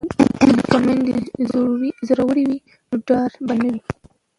که میندې زړورې وي نو ډار به نه وي.